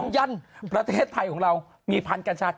สองประเทศไทยของเรามีพันธุ์การชาติ